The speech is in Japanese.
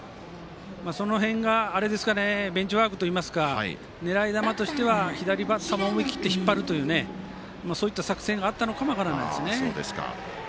その辺がベンチワークといいますか狙い球としては左バッターも思い切って引っ張るというそういった作戦があったかも分からないですね。